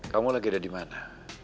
kamu lagi ada di mana